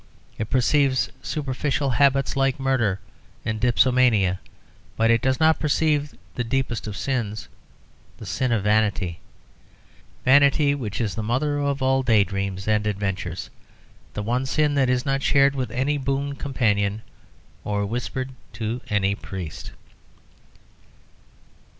It perceives superficial habits like murder and dipsomania, but it does not perceive the deepest of sins the sin of vanity vanity which is the mother of all day dreams and adventures, the one sin that is not shared with any boon companion, or whispered to any priest.